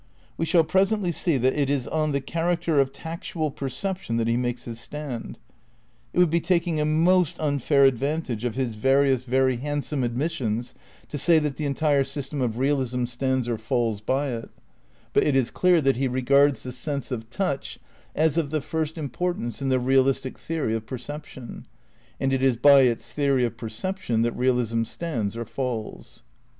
"We shall presently see that it is on. the character of tactual perception that he makes his stand. It would be taking a most unfair advantage of his various very in THE CEITICAL PREPARATIONS 51 handsome admissions to say tliat the entire gystena of realism stands or falls by it; but it is clear that he regards the sense of touch as of the first importance in the realistic theory of perception, and it is by its theory of perception that realism stands or falls.